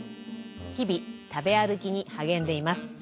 日々食べ歩きに励んでいます。